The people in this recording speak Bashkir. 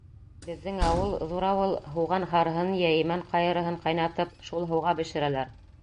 Беҙҙең ауыл — ҙур ауыл, — Һуған һарыһын йә имән ҡайырыһын ҡайнатып, шул һыуға бешерәләр.